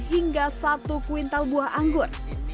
hingga satu kuintal buah anggur